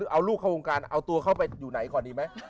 เอาลูกเข้าวงการเอาตัวเข้าไปอยู่ไหนก่อนดีไหม